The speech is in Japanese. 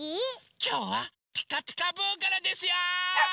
きょうは「ピカピカブ！」からですよ！